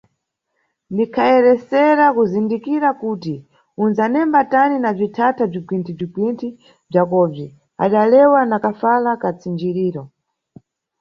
Ndikhayeresera kuzindikira kuti unʼdzanemba tani na bzithatha bzigwinthi-gwinthi bzakobzi, –adalewa na kafala ka tsinjiriro.